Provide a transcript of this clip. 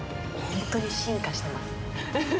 本当に進化してます。